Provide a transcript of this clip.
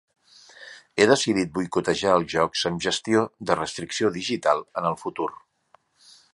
He decidit boicotejar els jocs amb gestió de restricció digital en el futur.